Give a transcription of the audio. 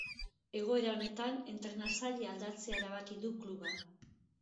Egoera honetan, entrenatzailea aldatzea erabaki du klubak.